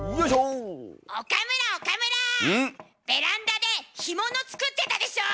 ベランダで干物作ってたでしょ！